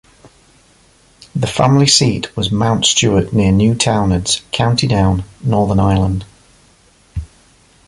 The family seat was Mount Stewart near Newtownards, County Down, Northern Ireland.